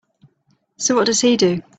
So what does he do?